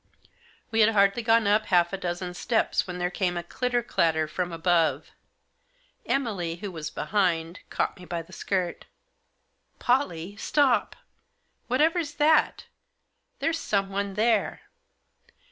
We had hardly gone up half a dozen steps when there came a clitter clatter from above. Emily, who was behind, caught me by the skirt. " Pollie ! Stop ! Whatever's that ? There's some one there